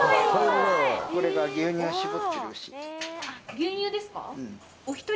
牛乳ですか？